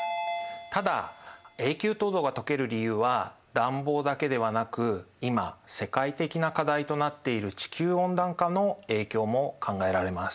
ただ永久凍土がとける理由は暖房だけではなく今世界的な課題となっている地球温暖化の影響も考えられます。